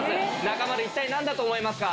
中丸一体何だと思いますか？